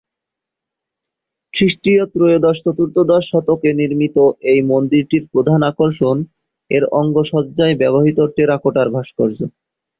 খ্রিস্টীয় ত্রয়োদশ-চতুর্দশ শতকে নির্মিত এই মন্দিরটির প্রধান আকর্ষণ এর অঙ্গসজ্জায় ব্যবহৃত টেরাকোটার ভাস্কর্য।